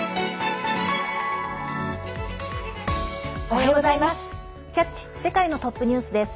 おはようございます。